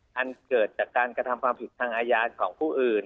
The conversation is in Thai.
อันเกิดจากการกระทำความผิดทางอาญาของผู้อื่น